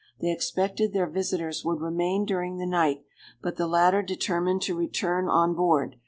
They expected their visitors would remain during the night, but the latter determined to return on board.